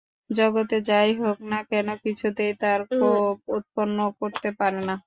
জগতে যাই হোক না কেন, কিছুতেই তাঁর কোপ উৎপন্ন করতে পারে না।